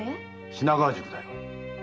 品川宿だよ。